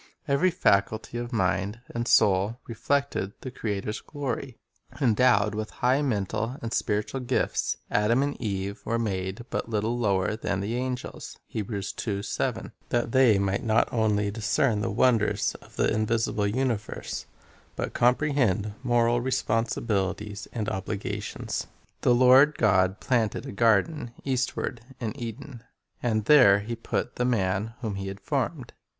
Every faculty of mind and soul reflected the Creator's glory. Endowed with high mental and spiritual gifts, Adam and Eve were made but "little lower than the angels," 1 that they might not only discern the wonders of the visible universe, but comprehend moral responsibilities and obligations. "The Lord God planted a garden eastward in Eden; and there He put the man whom He had formed.